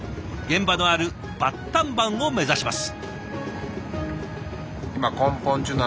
現場のあるバッタンバンを目指します。